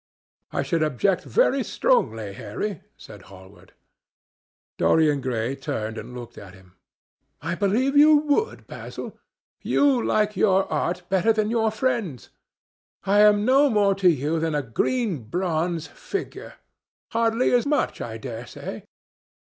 "I should object very strongly, Harry," said Hallward. Dorian Gray turned and looked at him. "I believe you would, Basil. You like your art better than your friends. I am no more to you than a green bronze figure. Hardly as much, I dare say."